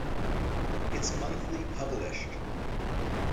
It's monthly published.